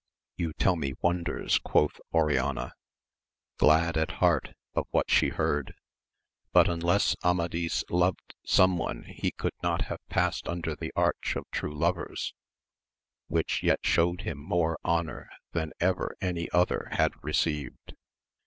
You tell me wonders, quoth Oriana, glad at heart of what she heard ; but unless Amadis loved some one he could not have passed under the Arch of True Lovers, which yet showed him more honour than ever any other had received.